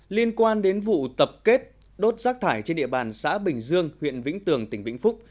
liên quan đến vụ tập kết đốt rác thải trên địa bàn xã bình dương huyện vĩnh tường tỉnh vĩnh phúc